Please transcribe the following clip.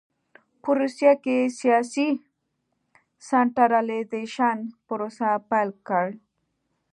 په روسیه کې سیاسي سنټرالایزېشن پروسه پیل کړ.